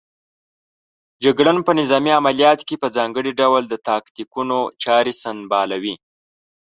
جګړن په نظامي عملیاتو کې په ځانګړي ډول د تاکتیکونو چارې سنبالوي.